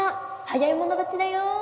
早い者勝ちだよ。